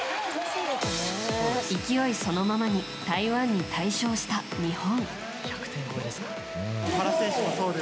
勢いそのままに台湾に大勝した日本。